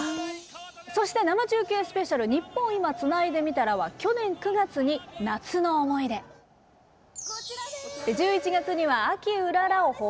そして生中継スペシャル「ニッポン『今』つないでみたら」は去年９月に「夏の思い出」１１月には「秋うらら」を放送。